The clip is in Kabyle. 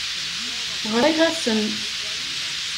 Ɣriɣ-asen.